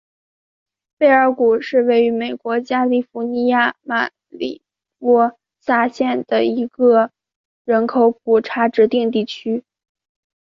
贝尔谷是位于美国加利福尼亚州马里波萨县的一个人口普查指定地区。